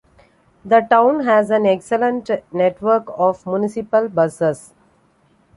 The town has an excellent network of municipal buses.